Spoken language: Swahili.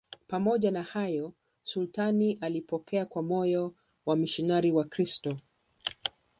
Pamoja na hayo, sultani alipokea kwa moyo wamisionari Wakristo.